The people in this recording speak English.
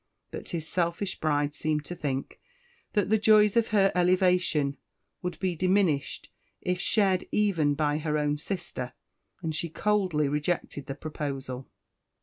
But his selfish bride seemed to think that the joys of her elevation would be diminished if shared even by her own sister, and she coldly rejected the proposal.